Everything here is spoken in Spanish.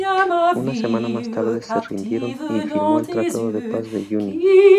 Una semana más tarde, se rindieron y firmó el tratado de paz de Junín.